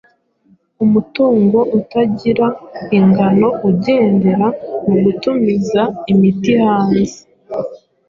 Umutungo utagira ingano ugendera mu gutumiza imiti hanze,